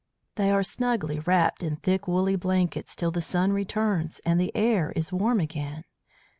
They are snugly wrapped in thick woolly blankets till the sun returns and the air is warm again.